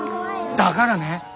だがらね。